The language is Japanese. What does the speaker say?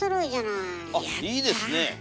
あっいいですね。